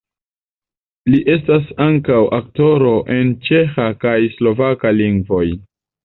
Li estas ankaŭ aktoro en ĉeĥa kaj slovaka lingvoj.